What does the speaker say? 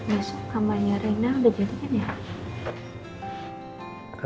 besok kamarnya reina udah jadikan ya